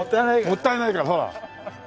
もったいないからほら。